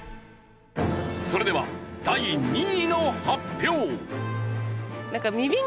それでは第２位の発表。